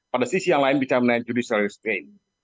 pada sisi yang lain bicara mengenai judicial restain